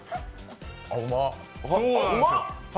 あ、うまっ！